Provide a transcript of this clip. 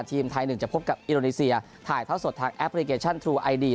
ทีมไทยหนึ่งจะพบกับอินโดนีเซียถ่ายเท่าสดทางแอปพลิเคชันทรูไอดี